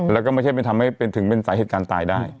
แล้วก็ไม่ใช่ถึงเป็นสาเหตุการณ์ตายได้